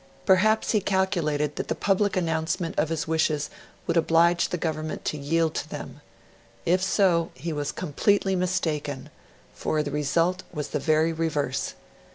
Perhaps he calculated that the public announcement of his wishes would oblige the Government to yield to them; if so, he was completely mistaken, for the result was the very reverse.